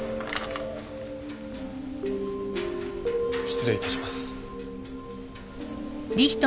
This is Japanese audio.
失礼いたします。